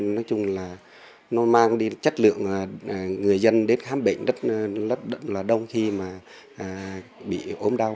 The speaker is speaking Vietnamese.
nói chung là nó mang đi chất lượng người dân đến khám bệnh rất là đông khi mà bị ốm đau